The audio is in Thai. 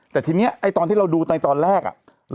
แต่ทีนี้ไอ้ตอนที่เราดูในตอนแรก